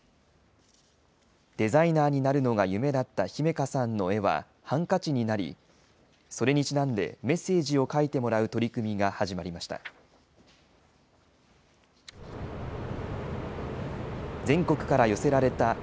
デザイナーになるのが夢だった姫花さんの絵はハンカチになり、それにちなんでメッセージを書いてもらう取り組みが始まりました。